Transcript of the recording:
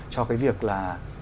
cho cái việc là